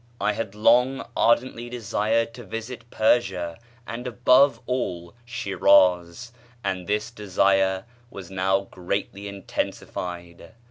I had long ardently desired to visit Persia and above all Shíráz, and this desire was now greatly intensified.